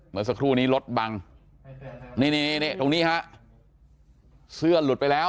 เมื่อสักครู่นี้รถบังนี่นี่ตรงนี้ฮะเสื้อหลุดไปแล้ว